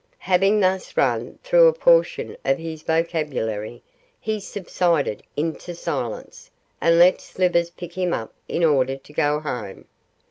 Having thus run through a portion of his vocabulary, he subsided into silence, and let Slivers pick him up in order to go home.